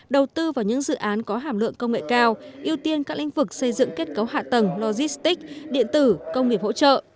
đầu tư vào những dự án có hàm lượng công nghệ cao ưu tiên các lĩnh vực xây dựng kết cấu hạ tầng logistic điện tử công nghiệp hỗ trợ